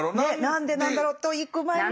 何でなんだろうといく前に。